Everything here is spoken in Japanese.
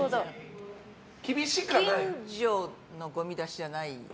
近所のごみ出しじゃない。